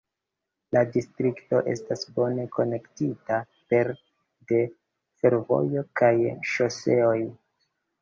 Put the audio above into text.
La distrikto estas bone konektita pere de fervojo kaj ŝoseoj.